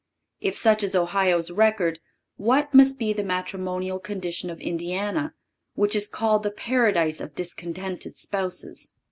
If such is Ohio's record, what must be the matrimonial condition of Indiana, which is called the paradise of discontented spouses.